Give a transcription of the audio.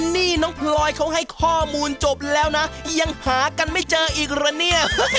นี่น้องพลอยเขาให้ข้อมูลจบแล้วนะยังหากันไม่เจออีกเหรอเนี่ย